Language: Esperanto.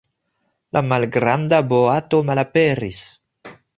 La malgranda boato malaperis!